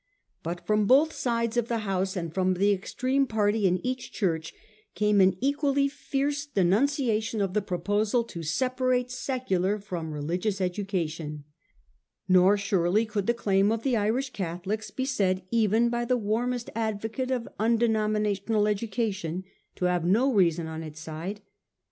But from both sides of the House and from the extreme party in each Church came an equally fierce denunciation of the proposal to separate secular from religious education Nor surely could the claim of the Irish Catholics 'be said even by the warmest advocate of undenominational education to have no reason on its side.